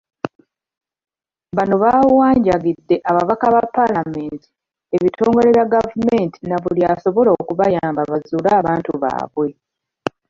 Bano bawanjagidde ababaka ba paalamenti, ebitongole bya gavumenti na buli asobola okubayamba bazuule abantu baabwe.